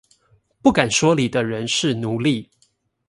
不敢說理的人是奴隸